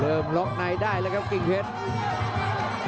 เริ่มหลบในได้แล้วครับกิ่งเพจ